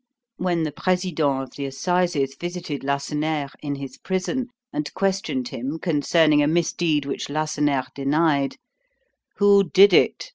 When the President of the Assizes visited Lacenaire in his prison, and questioned him concerning a misdeed which Lacenaire denied, "Who did it?"